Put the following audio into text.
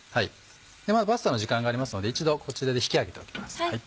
パスタの時間がありますので一度こちらで引き上げておきます。